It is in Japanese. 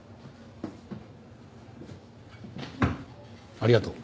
ありがとう。